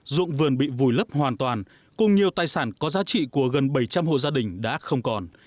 dụng vườn bị vùi lấp hoàn toàn cùng nhiều tài sản có giá trị của gần bảy trăm linh hộ gia đình đã không còn